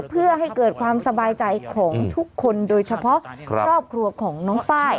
เพื่อให้เกิดความสบายใจของทุกคนโดยเฉพาะครอบครัวของน้องไฟล์